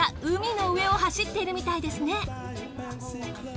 海の上を走っているみたいですね。